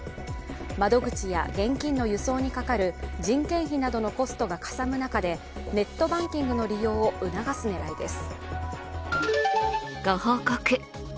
窓口や現金の輸送にかかる人件費などのコストがかさむ中で、ネットバンキングの利用を促す狙いです。